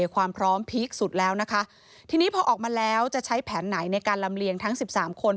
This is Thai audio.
ความพร้อมพีคสุดแล้วนะคะทีนี้พอออกมาแล้วจะใช้แผนไหนในการลำเลียงทั้ง๑๓คน